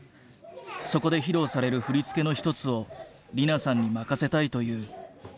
そこで披露される振り付けの一つを莉菜さんに任せたいという。